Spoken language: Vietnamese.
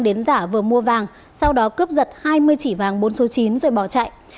đến giả vừa mua vàng sau đó cướp giật hai mươi chỉ vàng bốn số chín rồi bỏ chạy